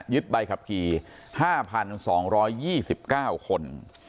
ยึดไปครับที่๕๒๒๙คน